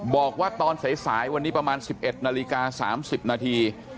บอกว่าตอนสายวันนี้ประมาณ๑๑นาฬิกา๓๐นาที